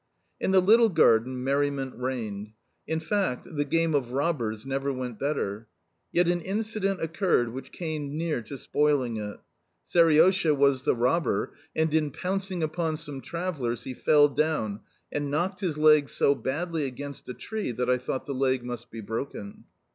In the little garden merriment reigned. In fact, the game of "robbers" never went better. Yet an incident occurred which came near to spoiling it. Seriosha was the robber, and in pouncing upon some travellers he fell down and knocked his leg so badly against a tree that I thought the leg must be broken.